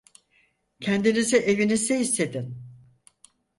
Kendinizi evinizde hissedin.